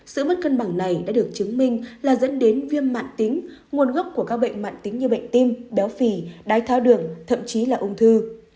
sự mất cân bằng này đã được chứng minh là dẫn đến viêm mạn tính nguồn gốc của các bệnh mạn tính như bệnh tim béo phì đai thao đường thậm chí là ung thư